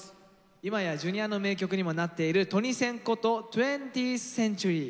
今やＪｒ．の名曲にもなっているトニセンこと２０ｔｈＣｅｎｔｕｒｙ